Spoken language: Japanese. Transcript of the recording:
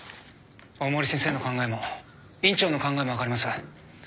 大森先生の考えも院長の考えも分かります。